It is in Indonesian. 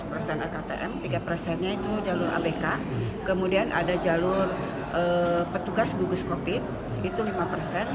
dua belas persen dua belas persen ektm tiga persennya itu jalur abk kemudian ada jalur petugas gugus covid itu lima persen